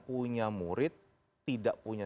punya murid tidak punya